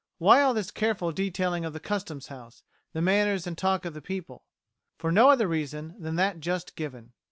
Why all this careful detailing of the Customs House, the manners and the talk of the people? For no other reason than that just given.